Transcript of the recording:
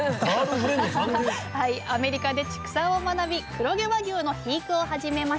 アメリカで畜産を学び黒毛和牛の肥育を始めました。